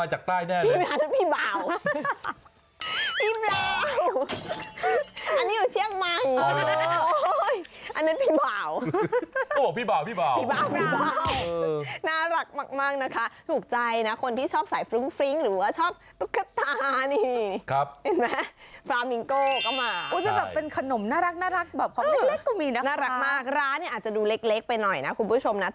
จริงตุ๊กตาไงคุณ